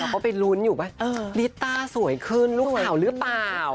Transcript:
เราก็ไปรุ้นอยู่แม่งริต้าสวยขึ้นลูกขาวรึป่าว